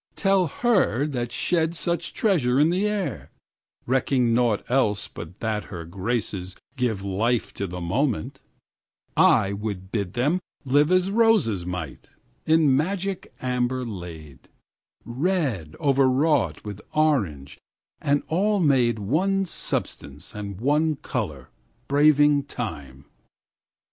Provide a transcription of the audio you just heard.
8Tell her that sheds9Such treasure in the air,10Recking naught else but that her graces give11Life to the moment,12I would bid them live13As roses might, in magic amber laid,14Red overwrought with orange and all made15One substance and one colour16Braving time.